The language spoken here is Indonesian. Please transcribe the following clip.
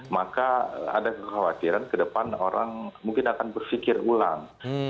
maka ada kekhawatiran ke depan orang mungkin akan berpikir ulang